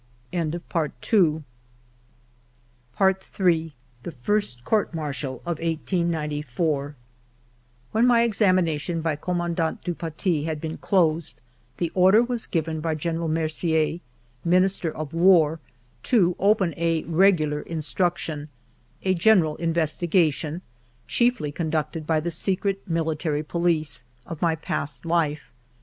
Ill THE FIRST COURT MARTIAL OF 1894 WHEN my examination by Command ant du Paty had been closed, the order was given by General Mercier, Minis ter of War, to open a " regular instruction " (a general investigation, chiefly conducted by the secret military police, of my past life).